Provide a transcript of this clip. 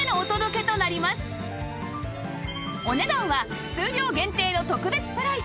お値段は数量限定の特別プライス